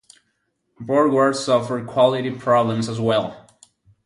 Borgward suffered quality problems as well.